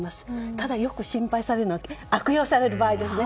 ただ、よく心配されるのが悪用される場合ですね。